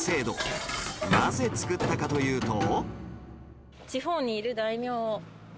なぜ作ったかというと